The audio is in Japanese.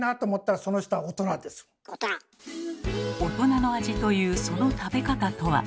大人の味というその食べ方とは。